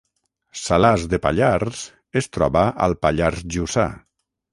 Salàs de Pallars es troba al Pallars Jussà